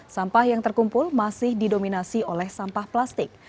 sampah yang terkumpul masih didominasi oleh sampah plastik